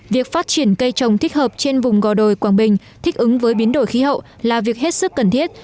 việc phát triển cây trồng thích hợp trên vùng gò đồi quảng bình thích ứng với biến đổi khí hậu là việc hết sức cần thiết